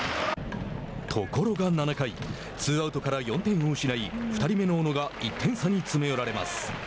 ところが７回ツーアウトから４点を失い２人目の小野が１点差に詰め寄られます。